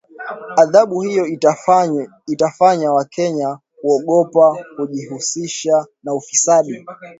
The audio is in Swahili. Adhabu hiyo itafanya wakenya kuogopa kujihusisha na ufisadi